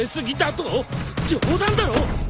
・冗談だろ！